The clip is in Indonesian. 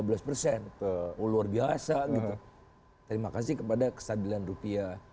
oh luar biasa gitu terima kasih kepada kestabilan rupiah